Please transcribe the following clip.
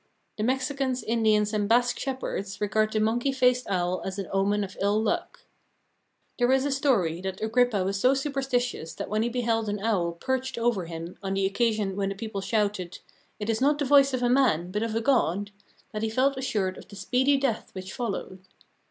The Mexicans, Indians and Basque shepherds regard the monkey faced owl as an omen of ill luck. There is a story that Agrippa was so superstitious that when he beheld an owl perched over him on the occasion when the people shouted, "It is not the voice of a man, but of a God!" that he felt assured of the speedy death which followed.